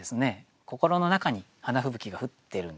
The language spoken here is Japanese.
心の中に花吹雪が降ってるんでしょうね。